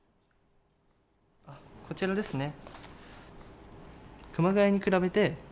こちらですね。